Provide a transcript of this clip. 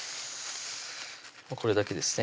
これだけですね